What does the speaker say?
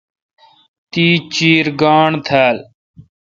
تی چیر گاݨڈ تھال۔